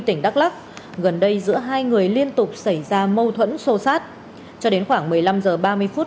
tỉnh đắk lắc gần đây giữa hai người liên tục xảy ra mâu thuẫn sô sát cho đến khoảng một mươi năm h ba mươi phút